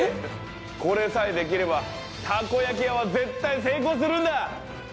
これさえできればたこ焼き屋は絶対成功するんだ。